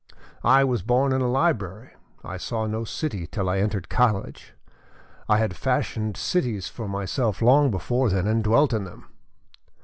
I was born in a library. I saw no city till I entered college. I had fashioned cities for myself long before then, and dwelt in them."